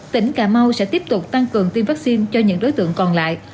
tỉnh cà mau sẽ tiếp tục tăng cường tiêm vaccine cho những đối tượng còn lại